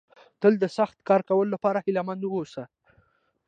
تل د سخت کار کولو لپاره هيله مند ووسئ.